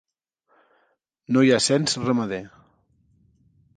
No hi ha cens ramader.